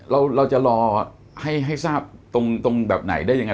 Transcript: เราจะรอให้ทราบตรงแบบไหนได้ยังไง